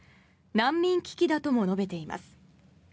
難民危機だとも述べています。